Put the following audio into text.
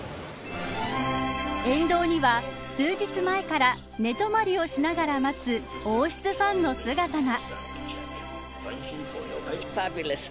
沿道には数日前から寝泊りをしながら待つ王室ファンの姿が。